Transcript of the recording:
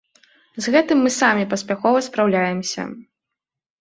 З гэтым мы самі паспяхова спраўляемся.